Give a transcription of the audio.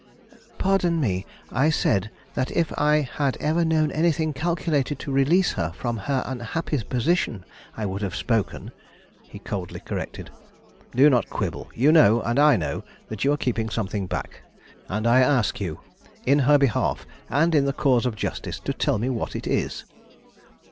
"Pardon me. I said that if I had ever known anything calculated to release her from her unhappy position, I would have spoken," he coldly corrected. "Do not quibble. You know, and I know, that you are keeping something back; and I ask you, in her behalf, and in the cause of justice, to tell me what it is."